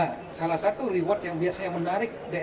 nah salah satu reward yang biasanya menarik